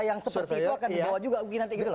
yang seperti itu akan dibawa juga nanti gitu loh